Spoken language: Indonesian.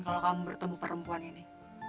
kalau kamu bertemu perempuan ini